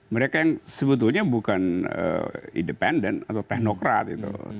mereka yang sebetulnya bukan independen atau teknokrat gitu